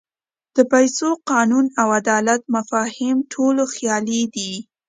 د پیسو، قانون او عدالت مفاهیم ټول خیالي دي.